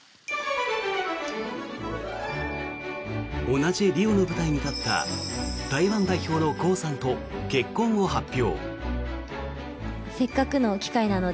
同じリオの舞台に立った台湾代表のコウさんと結婚を発表。